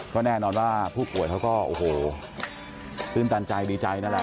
ก็แน่นอนว่าผู้ป่วยเขาก็โอ้โหตื่นตันใจดีใจนั่นแหละ